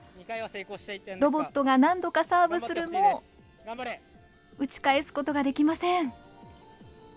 ロボットが何度かサーブするも打ち返すことができません。